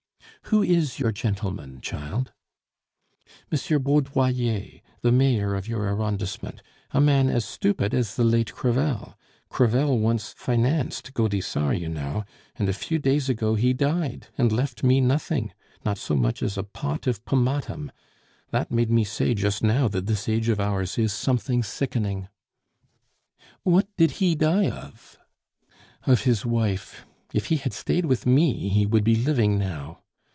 "Who is your gentleman, child?" "M. Baudoyer, the mayor of your arrondissement, a man as stupid as the late Crevel; Crevel once financed Gaudissart, you know, and a few days ago he died and left me nothing, not so much as a pot of pomatum. That made me say just now that this age of ours is something sickening." "What did he die of?" "Of his wife. If he had stayed with me, he would be living now.